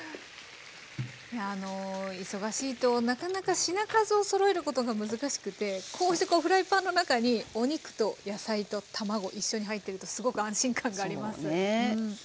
忙しいとなかなか品数をそろえることが難しくてこうしてこうフライパンの中にお肉と野菜と卵一緒に入ってるとすごく安心感があります。